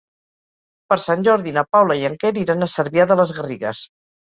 Per Sant Jordi na Paula i en Quer iran a Cervià de les Garrigues.